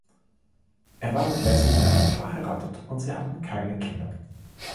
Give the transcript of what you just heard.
Er war mit Leslie Mandel verheiratet und sie hatten keine Kinder.